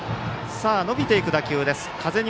伸びていく打球です。